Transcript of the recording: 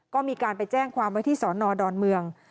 ก็มีการไปแจ้งความไว้ที่สอนอดอนเมือง